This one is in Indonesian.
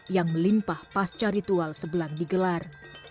yang melimpah pasca ritual sebelang digelar